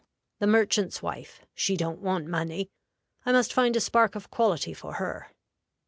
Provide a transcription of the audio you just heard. The merchant's wife, she don't want money. I must find a spark of quality for her."